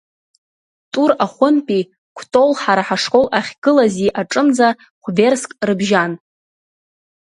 Тур ихәынтәи, Кәтол ҳара ҳашкол ахьгылази аҿынӡа хә-верск рыбжьан.